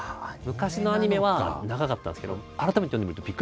昔のアニメは長かったんですけど改めて読んでみるとびっくりしますよ。